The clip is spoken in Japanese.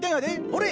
ほれ！